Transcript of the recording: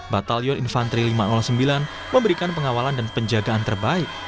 batalion infantri lima ratus sembilan memberikan pengawalan dan penjagaan terbaik